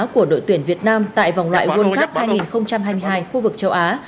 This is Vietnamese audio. của đội tuyển việt nam tại vòng loại world cup hai nghìn hai mươi hai khu vực châu á